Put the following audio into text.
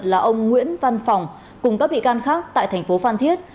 là ông nguyễn văn phòng cùng các bị can khác tại thành phố phan thiết